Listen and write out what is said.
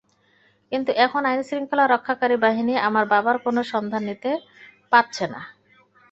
কিন্তু এখন আইনশৃঙ্খলা রক্ষাকারী বাহিনী আমার বাবার কোনো সন্ধান দিতে পারছে না।